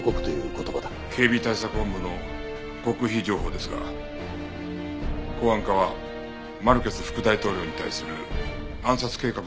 警備対策本部の極秘情報ですが公安課はマルケス副大統領に対する暗殺計画の情報を入手しています。